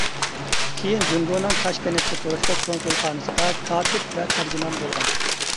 كىيىن جۇڭگونىڭ تاشكەنتتە تۇرۇشلۇق كونسۇلخانىسىدا كاتىپ ۋە تەرجىمان بولغان.